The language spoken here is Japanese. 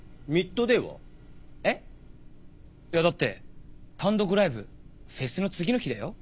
いやだって単独ライブフェスの次の日だよ。